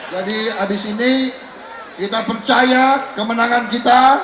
jadi abis ini kita percaya kemenangan kita